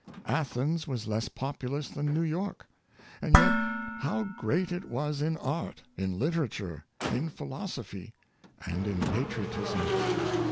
Athens was less populous than New York; and yet how great it was in art, in litera ture, in philosophy, and in patriotism